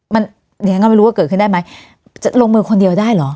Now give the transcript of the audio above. มันดิฉันก็ไม่รู้ว่าเกิดขึ้นได้ไหมจะลงมือคนเดียวได้เหรอ